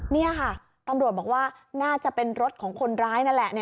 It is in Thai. นี่ค่ะตำรวจบอกว่าน่าจะเป็นรถของคนร้ายนั่นแหละ